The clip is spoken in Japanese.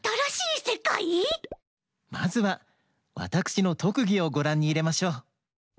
まずはわたくしのとくぎをごらんにいれましょう。